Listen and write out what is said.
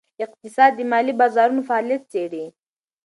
اقتصاد د مالي بازارونو فعالیت څیړي.